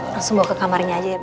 langsung bawa ke kamarnya aja ya